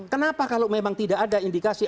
kenapa kalau memang tidak ada indikasi